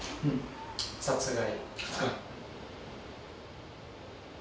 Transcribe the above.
殺害